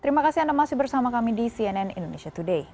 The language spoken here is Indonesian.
terima kasih anda masih bersama kami di cnn indonesia today